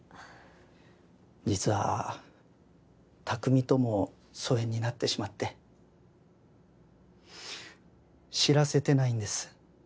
実は拓海とも疎遠になってしまって知らせてないんです